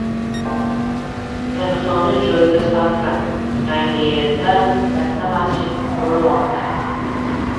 Ehsonni joyiga sarflang: Yangierda katta masjid qurilmoqda